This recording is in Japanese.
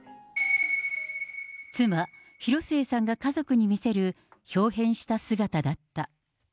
妻、広末さんが家族に見せるひょう変した姿だった。